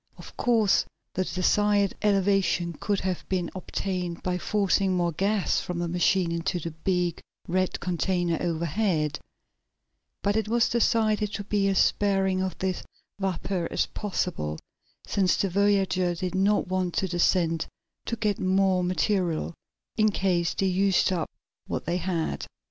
Of course the desired elevation could have been obtained by forcing more gas from the machine into the big, red container overhead, but it was decided to be as sparing of this vapor as possible, since the voyagers did not want to descend to get more material, in case they used up what they had.